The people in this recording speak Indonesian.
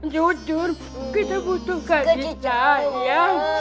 jujur kita butuh kakitanya